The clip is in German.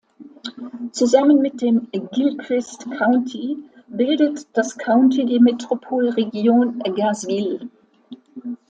Zusammen mit dem Gilchrist County bildet das County die Metropolregion Gainesville.